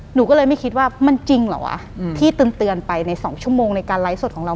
หนูก็เลยไม่คิดว่ามันจริงเหรอวะที่เตือนไปใน๒ชั่วโมงในการไลฟ์สดของเรา